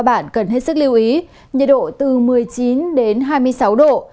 bản cần hết sức lưu ý nhiệt độ từ một mươi chín đến hai mươi sáu độ